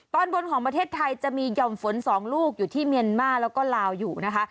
ตอนบนของประเทศไทยจะมีห่อมฝน๒ลูกอยู่ที่เมียนมาแล้วก็ลาวอยู่นะคะ